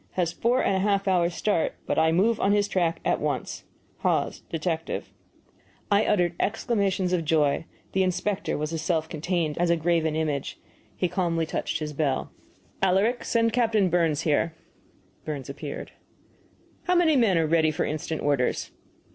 Has four and a half hours' start, but I move on his track at once. HAWES, Detective I uttered exclamations of joy. The inspector was as self contained as a graven image. He calmly touched his bell. "Alaric, send Captain Burns here." Burns appeared. "How many men are ready for instant orders?"